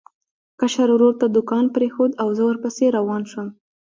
کشر ورور ته دوکان پرېښود او زه ورپسې روان شوم.